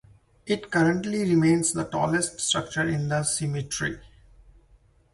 It currently remains the tallest structure in the cemetery.